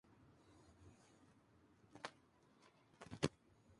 Este título le da derecho a jugar el Campeonato de España de aficionados.